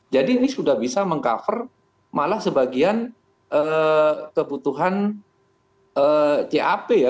jadi ini sudah bisa meng cover malah sebagian kebutuhan cap ya